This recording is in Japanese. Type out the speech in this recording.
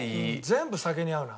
全部酒に合うな。